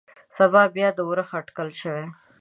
سبا بيا د اورښت اټکل شوى.